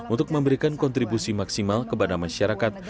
untuk memberikan kontribusi maksimal kepada masyarakat